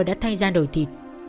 đã thay ra đồi thịt